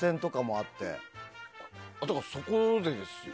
だから、そこですよ。